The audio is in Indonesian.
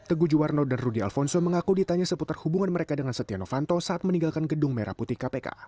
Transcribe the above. teguh juwarno dan rudy alfonso mengaku ditanya seputar hubungan mereka dengan setia novanto saat meninggalkan gedung merah putih kpk